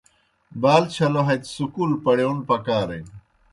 بال چھلو ہتیْ سکول پڑِیون پکارِن۔